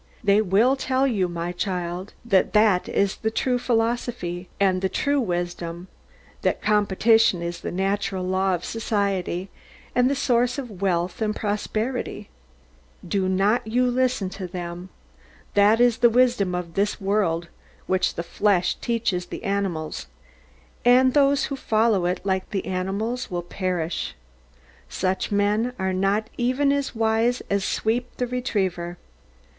They will tell you, my child, that that is the true philosophy, and the true wisdom; that competition is the natural law of society, and the source of wealth and prosperity. Do not you listen to them. That is the wisdom of this world, which the flesh teaches the animals; and those who follow it, like the animals, will perish. Such men are not even as wise as Sweep the retriever.